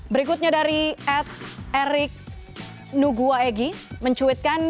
berikutnya dari ed erik nuguaegi mencuitkan